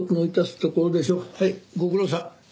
はいご苦労さん。